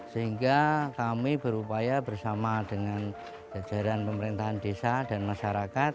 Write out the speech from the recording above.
sehingga kami berupaya bersama dengan jajaran pemerintahan desa dan masyarakat